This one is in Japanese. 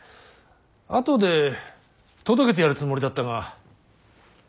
後で届けてやるつもりだったが。